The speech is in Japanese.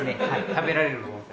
食べられる盆栽。